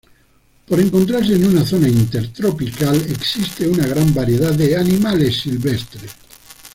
Por encontrarse en una zona intertropical, existe una gran variedad de animales silvestres.